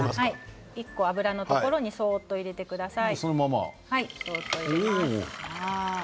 １個、油のところにそっと入れてください。